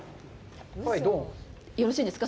よろしいですか？